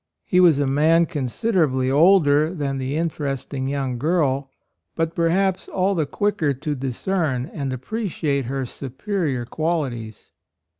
He was a man con siderably older than the inter esting young girl, but perhaps all the quicker to discern and appreciate her superior quali ties.